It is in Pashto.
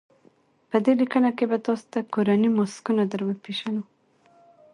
په دې لیکنه کې به تاسو ته کورني ماسکونه در وپېژنو.